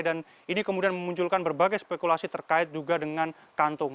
dan ini kemudian memunculkan berbagai spekulasi terkait juga dengan kantung